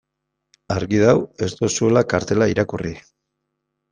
Argi dago ez duzuela kartela irakurri.